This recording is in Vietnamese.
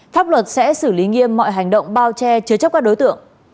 pháp luật sẽ xử lý nghiêm mọi hành động bao che chứa chấp các đối tượng